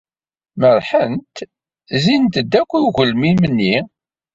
Merrḥent, zzint-d akk i ugelmim-nni.